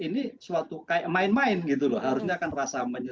ini yang kurang memberikan contoh dalam proses penyelesaian bidana